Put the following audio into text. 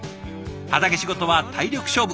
畑仕事は体力勝負。